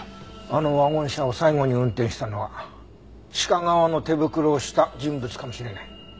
あのワゴン車を最後に運転したのは鹿革の手袋をした人物かもしれない。